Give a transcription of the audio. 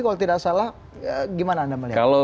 kalau tidak salah gimana anda melihat